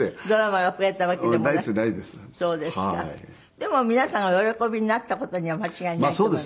でも皆さんがお喜びになった事には間違いないと思います。